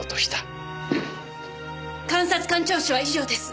監察官聴取は以上です。